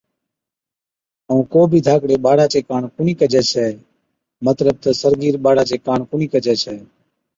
ائُون ڪو بِي ڌاڪڙي ٻاڙا چي ڪاڻ ڪونھِي ڪجَي ڇَي مطلب تہ سرگِير ٻاڙا چي ڪاڻ ڪونهِي ڪجَي ڇَي